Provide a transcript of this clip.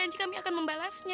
kami perjanji akan membalasnya